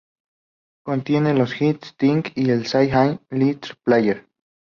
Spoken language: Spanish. Contiene los hits "Think" y "I Say A Little Prayer".